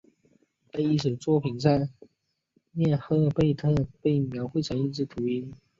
在艺术作品上涅赫贝特被描绘成一只秃鹰。